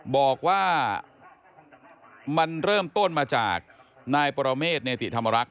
บอกว่ามันเริ่มต้นมาจากนายปรเมษเนติธรรมรักษ